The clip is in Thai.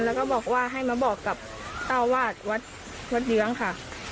แล้วก็บอกว่าให้มาบอกกับเจ้าวาดวัดวัดเยื้องค่ะ